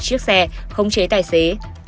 chiếc xe khống chế tài xế